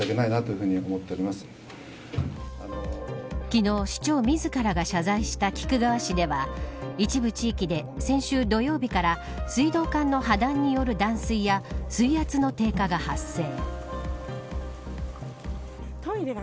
昨日、市長みずからが謝罪した菊川市では一部地域で先週土曜日から水道管の破断による断水や水圧の低下が発生。